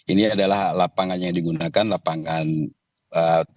ini adalah lapangan yang digunakan lapangan tempat